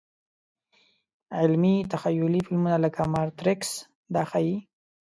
علمي – تخیلي فلمونه لکه ماتریکس دا ښيي.